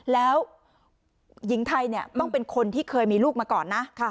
แล้วหญิงไทยเนี่ยต้องเป็นคนที่เคยมีลูกมาก่อนนะ